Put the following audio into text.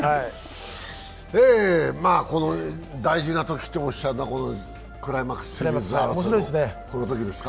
この大事なときっておっしゃるのはクライマックス争いのこのときですか。